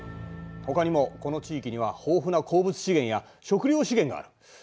ほかにもこの地域には豊富な鉱物資源や食料資源がある。